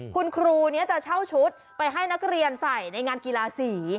คุณครูจะเช่าชุดไปให้นักเรียนใส่ในงานกีฬาสี